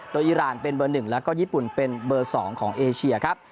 โดยอีรานเป็นเบอร์๑แล้วก็ญี่ปุ่นเป็นเบอร์๒ของเอเชียครับ